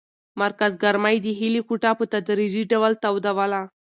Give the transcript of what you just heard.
مرکز ګرمۍ د هیلې کوټه په تدریجي ډول تودوله.